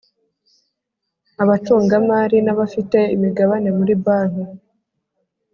abacungamari n abafite imigabane muri banki